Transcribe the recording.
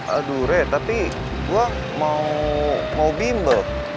aduh re tapi gue mau bimbel